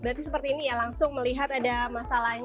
berarti seperti ini ya langsung melihat ada masalahnya